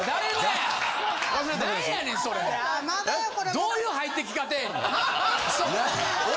どういう入ってきかたやねん？